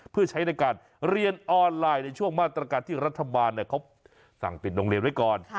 เพื่อใช้ในการเรียนออนไลน์ในช่วงมาตรการที่รัฐบาลเขาสั่งปิดโรงเรียนไว้ก่อน